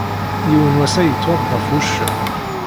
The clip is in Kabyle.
Yiwen wass ay yettwaḍḍaf wuccen.